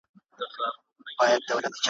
چا دروغ ویل چي دلته بلېدې ډېوې د علم ,